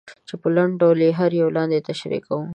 چې په لنډ ډول یې هر یو لاندې تشریح کوو.